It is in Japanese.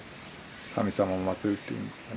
神様をまつるっていうんですかね